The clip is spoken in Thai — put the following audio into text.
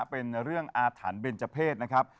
เป็นเรื่องอาถรรพ์เบนเจอร์เพศนะครับ